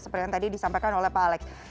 seperti yang tadi disampaikan oleh pak alex